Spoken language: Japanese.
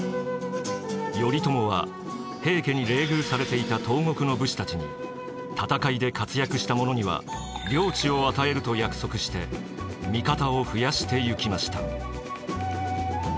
頼朝は平家に冷遇されていた東国の武士たちに戦いで活躍した者には領地を与えると約束して味方を増やしてゆきました。